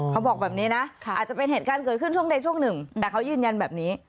เขาบอกแบบนี้นะอาจจะเป็นเหตุการณ์เกิดขึ้นช่วงใดช่วงหนึ่งแต่เขายืนยันแบบนี้